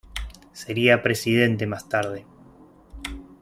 Sería presidente más tarde.